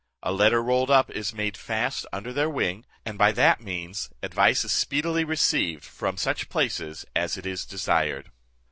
A letter rolled up is made fast under their wing, and by that means advice is speedily received from such places as it is desired.